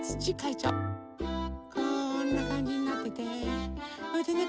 こんなかんじになっててそれでね